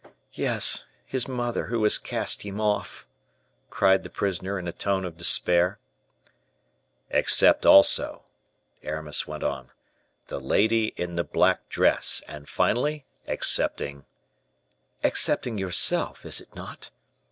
"Yes! his mother, who has cast him off," cried the prisoner in a tone of despair. "Except, also," Aramis went on, "the lady in the black dress; and, finally, excepting " "Excepting yourself is it not?